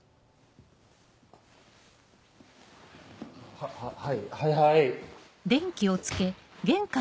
ははいはいはい。